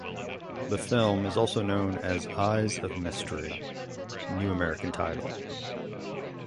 The film is also known as Eyes of Mystery (new American title).